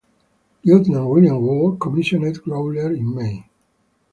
Lieutenant William Wall commissioned "Growler" in May.